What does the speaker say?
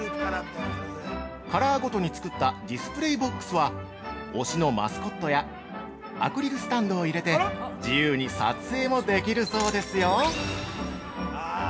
カラーごとに作ったディスプレーボックスは推しのマスコットやアクリルスタンドを入れて自由に撮影もできるそうですよ。